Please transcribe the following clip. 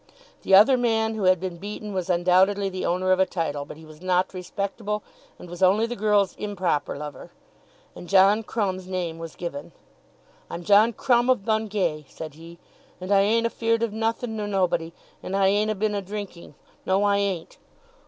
The other man who had been beaten was undoubtedly the owner of a title; but he was not respectable, and was only the girl's improper lover. And John Crumb's name was given. "I'm John Crumb of Bungay," said he, "and I ain't afeared of nothin' nor nobody. And I ain't a been a drinking; no, I ain't.